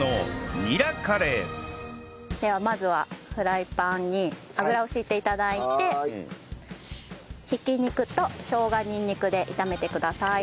ニラカレーではまずはフライパンに油を引いて頂いて挽き肉としょうがにんにくで炒めてください。